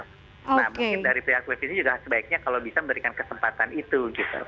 nah mungkin dari pihak televisi juga sebaiknya kalau bisa memberikan kesempatan itu gitu